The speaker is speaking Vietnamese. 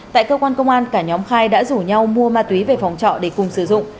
tại cơ quan công an cả nhóm khai đã rủ nhau mua ma túy về phòng trọ để cùng sử dụng